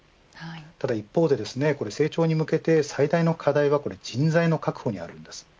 ただ一方で成長に向けて最大の課題は人材の確保にあります。